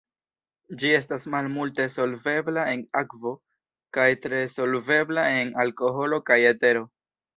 Ĝi estas malmulte solvebla en akvo kaj tre solvebla en alkoholo kaj etero.